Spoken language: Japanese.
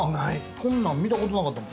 こんなん見たことなかったもん。